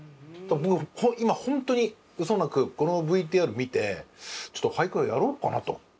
僕今本当にうそなくこのＶＴＲ見てちょっと俳句をやろうかなと。